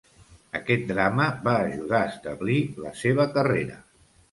Aquest drama va ajudar a establir la seva carrera.